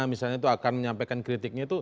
misalnya itu akan menyampaikan kritiknya itu